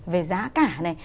về giá cả này